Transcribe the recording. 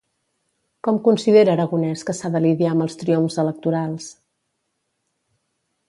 Com considera Aragonès que s'ha de lidiar amb els triomfs electorals?